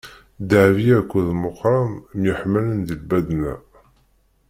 Dehbiya akked Meqran myeḥmalen di lbaḍna.